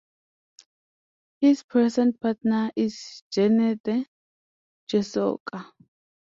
His present partner is Jeanette Jesorka.